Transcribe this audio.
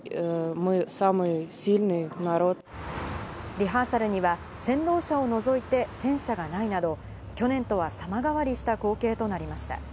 リハーサルには先導車を除いて戦車がないなど、去年とは様変わりした光景となりました。